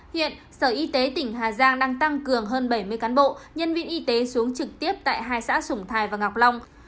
hiện sở y tế tỉnh hà giang đang tăng cường hơn bảy mươi cán bộ nhân viên y tế xuống trực tiếp tại hai xã sủng thái và ngọc long